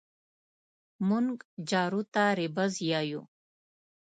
مونږ جارو ته رېبز يايو